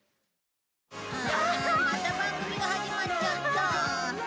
ああまた番組が始まっちゃった。